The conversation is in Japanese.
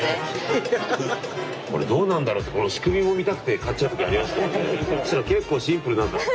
これどうなんだろう？ってこの仕組みも見たくて買っちゃうときありましたよ。